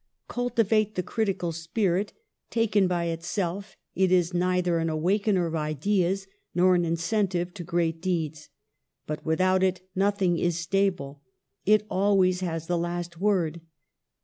^'Cultivate the critical spirit. Taken by it self, it is neither an awakener of ideas nor an incentive to great deeds. But without it noth ing is stable. It always has the last word.